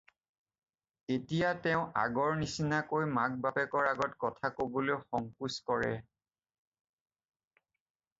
এতিয়া তেওঁ আগৰ নিচিনাকৈ মাক-বাপেকৰ আগত কথা ক'বলৈ সংকোচ কৰে।